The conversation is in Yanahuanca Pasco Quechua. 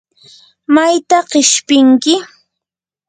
¿mayta qishpinki?